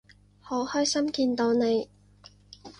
好開心見到你